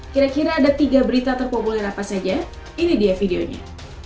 kira kira ada tiga berita terpopuler apa saja ini dia videonya